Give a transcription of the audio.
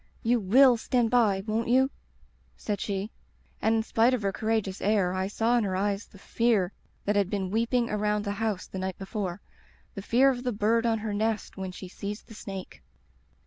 "*You will stand by, won't you?' said she. And in spite of her courageous air I saw in her eyes the Fear that had been weeping around the house the night before, the fear of the bird on her nest when she sees the snake.